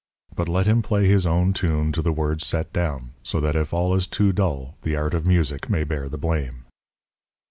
But let him play his own tune to the words set down, so that if all is too dull, the art of music may bear the blame.